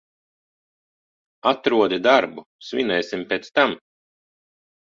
Atrodi darbu, svinēsim pēc tam.